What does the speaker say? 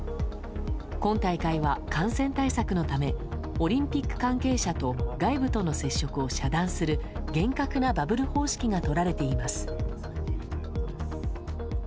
今大会は感染対策のためオリンピック関係者と外部との接触を遮断する厳格なバブル方式がとられています。